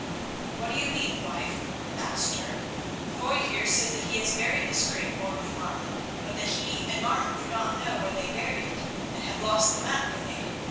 "What do you mean, wife?" asked Dirk. "Foy here says that he has buried this great hoard with Martin, but that he and Martin do not know where they buried it, and have lost the map they made.